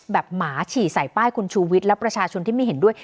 หมาฉี่ใส่ป้ายคุณชูวิทย์และประชาชนที่ไม่เห็นด้วย